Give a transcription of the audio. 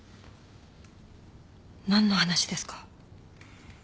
何の話ですか？